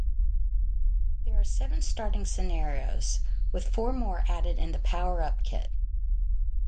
There are seven starting scenarios, with four more added in the Power up kit.